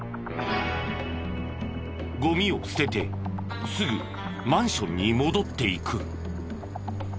ごみを捨ててすぐマンションに戻っていく。